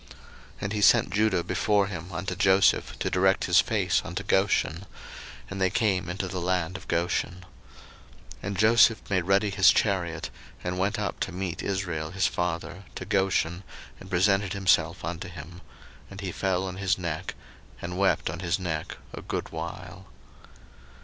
01:046:028 And he sent Judah before him unto Joseph, to direct his face unto Goshen; and they came into the land of Goshen. 01:046:029 And Joseph made ready his chariot, and went up to meet Israel his father, to Goshen, and presented himself unto him; and he fell on his neck, and wept on his neck a good while.